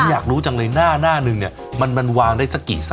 ผมอยากรู้หน้าน่าหนึ่งเนี้ยมันวานได้ซักกี่ไส้